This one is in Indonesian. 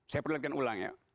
saya perlihatkan ulang ya